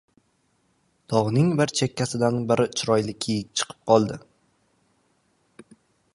Togʼning bir chekkasidan bir chiroyli kiyik chiqib qolibdi